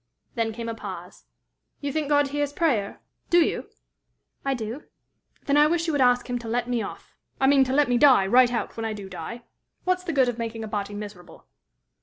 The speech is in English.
Then came a pause. "You think God hears prayer do you?" "I do." "Then I wish you would ask him to let me off I mean, to let me die right out when I do die. What's the good of making a body miserable?"